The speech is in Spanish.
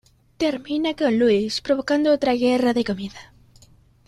Termina con Louise provocando otra guerra de comida.